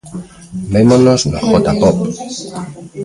Vémosnos no J-Pop.